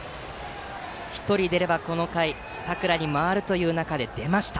１人出れば、この回佐倉に回るという中で出ました。